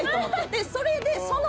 でそれで。